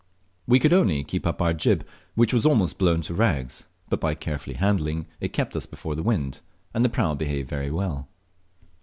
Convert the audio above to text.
We could only keep up our jib, which was almost blown to rags, but by careful handling it kept us before the wind, and the prau behaved very well.